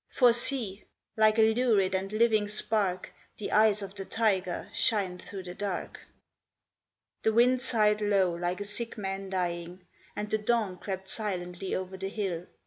For see! like a lurid and living spark The eyes of the tiger shine through the dark.' The wind sighed low like a sick man dying, And the dawn crept silently over the hill.